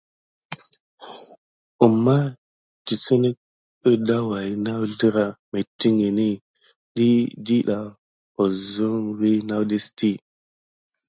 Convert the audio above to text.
Kuma tisine gəda waya ho na wuzlera metikine diy kisok kegayata vi nadesiti.